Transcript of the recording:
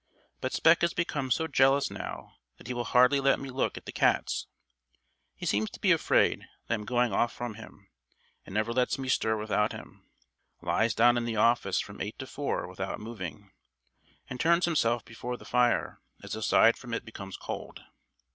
But Spec has become so jealous now that he will hardly let me look at the cats. He seems to be afraid that I am going off from him, and never lets me stir without him. Lies down in the office from eight to four without moving, and turns himself before the fire as the side from it becomes cold.